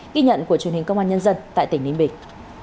ghi nhận của truyền hình công an nhân dân tại tỉnh ninh bình